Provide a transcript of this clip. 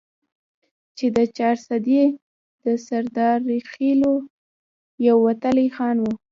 چې د چارسدي د سردرخيلو يو وتلے خان وو ،